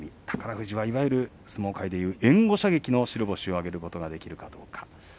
宝富士はいわゆる相撲界でいう援護射撃の白星を挙げることができるかどうか。